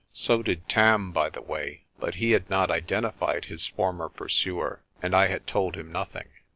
So did Tarn, by the way, but he had not identified his former pursuer, and I had told him nothing.